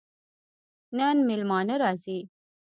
نن مېلمانه راځي